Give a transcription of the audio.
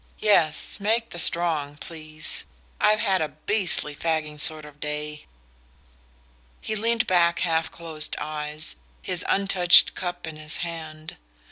"Yes, make the strong, please. I've had a beastly fagging sort of day." He leaned back with half closed eyes, his untouched cup in his hand.